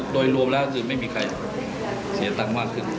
โดยรวมแล้วก็ไม่มีใครเสียเงินน้อยมากขึ้น